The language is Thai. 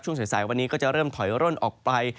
สายวันนี้ก็จะเริ่มถอยร่นออกไป